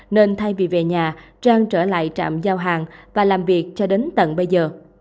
nên thay vì về nhà trang trở lại trạm giao hàng và làm việc cho đến tận bây giờ